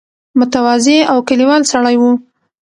متواضع او کلیوال سړی وو.